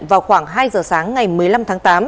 vào khoảng hai giờ sáng ngày một mươi năm tháng tám